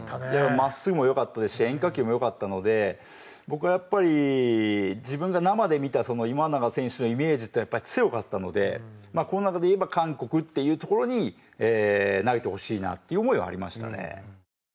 真っすぐも良かったですし変化球も良かったので僕はやっぱり自分が生で見た今永選手のイメージっていうのがやっぱり強かったのでまあこの中でいえば韓国っていうところに投げてほしいなっていう思いはありましたね。